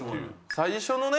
最初のね